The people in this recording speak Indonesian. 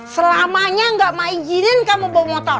selamanya gak mah izinin kamu bawa motor